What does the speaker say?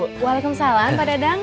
waalaikumsalam pak dadang